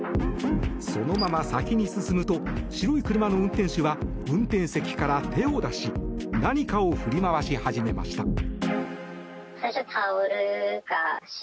そのまま先に進むと白い車の運転手は運転席から手を出し何かを振り回し始めました。